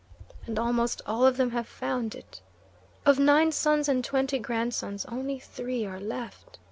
And almost all of them have found it. Of nine sons and twenty grandsons, only three are left.